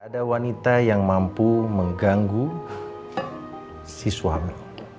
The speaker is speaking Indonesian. ada wanita yang mampu mengganggu si suami